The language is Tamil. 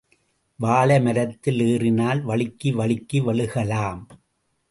வாழைமரத்தில் ஏறினால், வழுக்கி வழுக்கி விழுகலாம்!